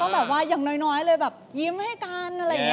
กลับมาอย่างน้อยเลยแบบหยิ้มให้กัน